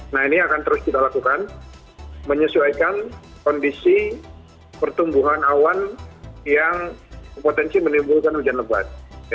nah ini akan terus kita lakukan menyesuaikan kondisi pertumbuhan awan yang potensi menimbulkan hujan lebat